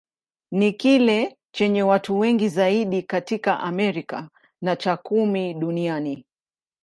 Ni kile chenye watu wengi zaidi katika Amerika, na cha kumi duniani.